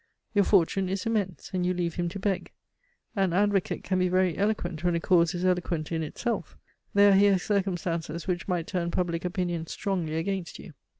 Your fortune is immense, and you leave him to beg. An advocate can be very eloquent when a cause is eloquent in itself; there are here circumstances which might turn public opinion strongly against you."